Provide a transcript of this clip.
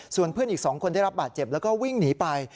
ส่วนเพื่อนอีก๒คนได้รับบาดเจ็บแล้วก็วิ่งหนีไป